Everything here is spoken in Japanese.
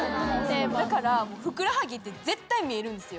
だからふくらはぎって絶対見えるんすよ。